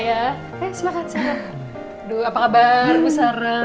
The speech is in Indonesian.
aduh apa kabar usahara